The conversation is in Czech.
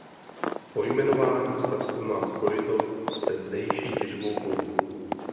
Pojmenování statku má spojitost se zdejší těžbou kovů.